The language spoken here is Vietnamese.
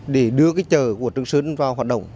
để đưa cái chợ của trường sơn vào hoạt động